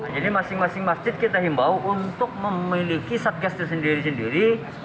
jadi masing masing masjid kita imbau untuk memiliki satgas sendiri sendiri